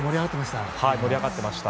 盛り上がっていました。